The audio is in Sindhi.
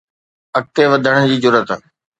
اڳتي وڌڻ جي جرئت